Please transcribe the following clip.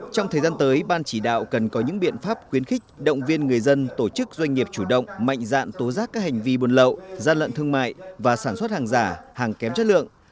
trong thời gian tới ban chỉ đạo cần có những biện pháp khuyến khích động viên người dân tổ chức doanh nghiệp chủ động mạnh dạn tố giác các hành vi buôn lậu gian lận thương mại và sản xuất hàng giả hàng kém chất lượng